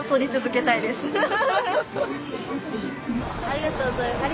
ありがとうございます。